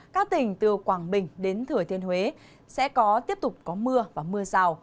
các tỉnh từ quảng bình đến thừa thiên huế sẽ có tiếp tục có mưa và mưa rào